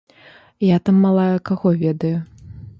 Я там малая каго ведаю.